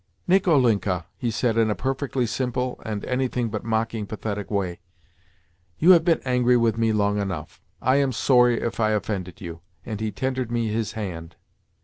"Nicolinka," he said in a perfectly simple and anything but mock pathetic way, "you have been angry with me long enough. I am sorry if I offended you," and he tendered me his hand.